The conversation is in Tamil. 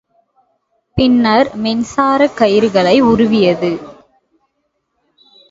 பின்னர் மின்சாரக் கயிறுகளை உருவியது.